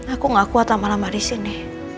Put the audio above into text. aku gak kuat lama lama disini